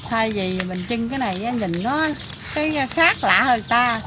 thay vì mình chưng cái này nhìn nó khác lạ hơn ta